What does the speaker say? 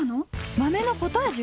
豆のポタージュ！？